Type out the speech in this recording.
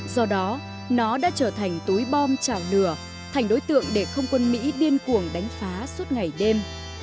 do đó nó đã trở thành túi bom chảo lửa thành đối tượng để không quân mỹ điên cuồng đánh phá suốt ngày đêm